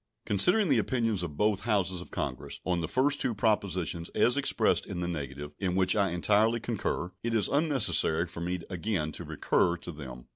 Considering the opinions of both Houses of Congress on the first two propositions as expressed in the negative, in which I entirely concur, it is unnecessary for me again in to recur to them.